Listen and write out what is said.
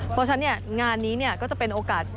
เพราะฉะนั้นงานนี้ก็จะเป็นโอกาส